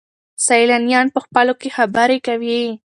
سیلانیان په خپلو کې خبرې کوي.